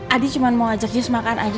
adi cuma mau ajak jis makan aja